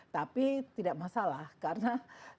tapi tidak masalah karena